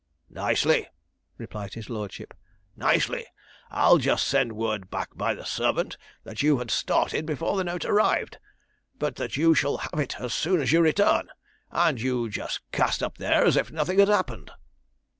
'Nicely,' replied his lordship, 'nicely. I'll just send word back by the servant that you had started before the note arrived, but that you shall have it as soon as you return; and you just cast up there as if nothing had happened.'